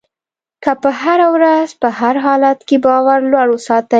که په هره ورځ په هر حالت کې باور لوړ وساتئ.